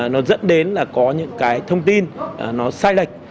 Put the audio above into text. nó dẫn đến là có những cái thông tin nó sai lệch